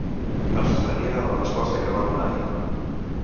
Es referia a la resposta que va donar ahir.